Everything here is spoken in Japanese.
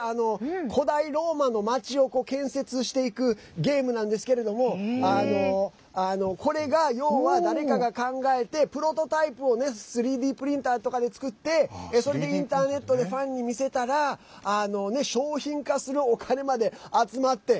古代ローマの町を建設していくゲームなんですけれどもこれが要は誰かが考えてプロトタイプを３Ｄプリンターとかで作ってそれでインターネットでファンに見せたら商品化するお金まで集まって。